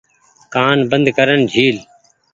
ڪآن بند ڪرين جهيل۔